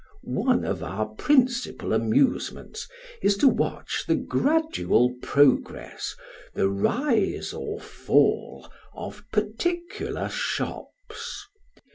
One of our principal amusements is to watch the gradual progress A Doomed Shop. 45 the rise or fall of particular shops.